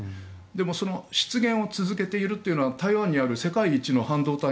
でも、失言を続けているというのは台湾にある世界一の半導体